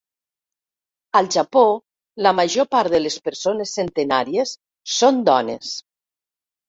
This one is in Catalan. Al Japó, la major part de les persones centenàries són dones.